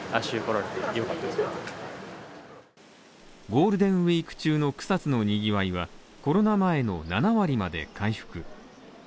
ゴールデンウイーク中の草津のにぎわいはコロナ前の７割まで回復。